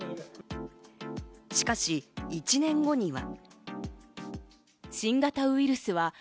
しかし１年後には。